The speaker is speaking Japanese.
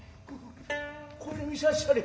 これ見さっしゃれ。